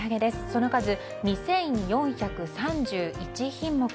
その数、２４３１品目。